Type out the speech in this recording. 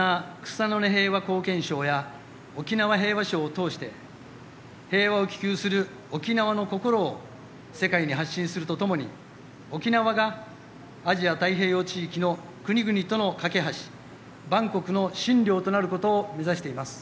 草の根平和貢献賞や沖縄平和賞を通して平和を希求する沖縄のこころを世界に発信するとともに沖縄がアジア太平洋地域の国々との架け橋万国の津梁となることを目指しています。